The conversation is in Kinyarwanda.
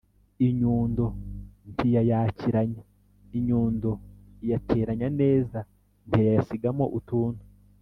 inyundo ntiyayakiranya: inyundo iyateranya neza ntiyayasigamo utuntu